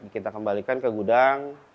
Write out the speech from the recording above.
kita kembalikan ke gudang